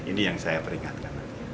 ini yang saya peringatkan